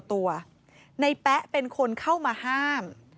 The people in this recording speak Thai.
นายแป๊ะเป็นคนเข้ามาห้าม